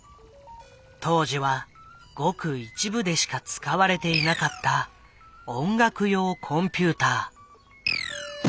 当時はごく一部でしか使われていなかった音楽用コンピューター。